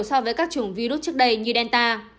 so với các chủng virus trước đây như delta